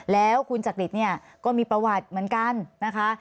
แล้วคุณจักริตเนี่ยก็มีประวัติเหมือนกันนะคะ